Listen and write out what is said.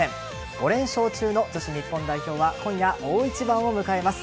５連勝中の女子日本代表は今夜大一番を迎えます。